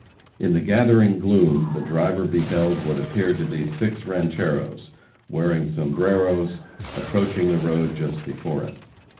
In the gathering gloom, the driver beheld what appeared to be six rancheros, wearing sombreros, approaching the road just before him.